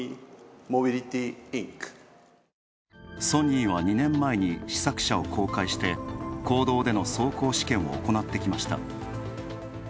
ソニーは２年前に試作車を公開して公道での走行試験を行ってきました。